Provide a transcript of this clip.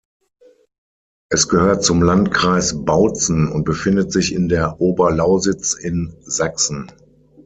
Es gehört zum Landkreis Bautzen und befindet sich in der Oberlausitz in Sachsen.